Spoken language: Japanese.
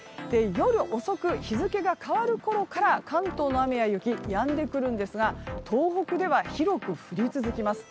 夜遅く、日付が変わるころから関東の雨や雪はやんでくるんですが東北では広く降り続きます。